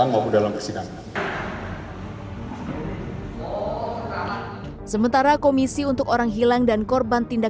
ya itu berarti bukan rekonstruksi yang sebenarnya